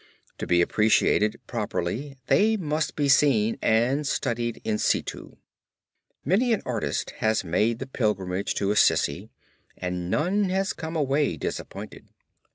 To be appreciated properly they must be seen and studied in situ. Many an artist has made the pilgrimage to Assisi and none has come away disappointed.